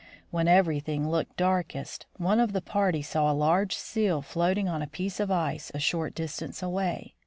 When everything looked darkest, one of the party saw a large seal floating on a piece of ice a short distance away.